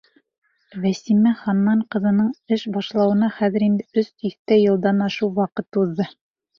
Вәсимә Ханнан ҡыҙының эш башлауына хәҙер инде өс тиҫтә йылдан ашыу ваҡыт уҙҙы.